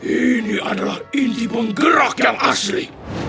ini adalah inti penggerak yang asli